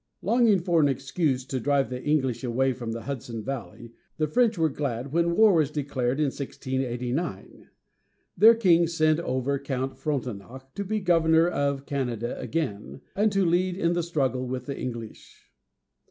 Longing for an excuse to drive the English away from the Hudson valley, the French were glad when war was declared, in 1689. Their king sent over Count Frontenac to be governor of Canada again, and to lead in the struggle with the English.